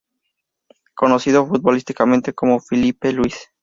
Conocido futbolísticamente como Filipe Luís.